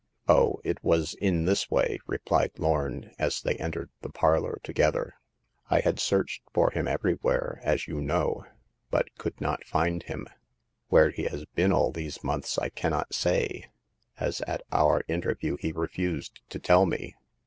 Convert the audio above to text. " Oh, it was in this way," replied Lorn, as they entered the parlor together. " I had searched for him everywhere, as you know, but could not find him. Where he has been all these months I cannot say, as at our interview he refused to tell me."